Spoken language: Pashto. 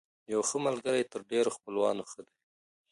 يو ښه ملګری تر ډېرو خپلوانو ښه دی.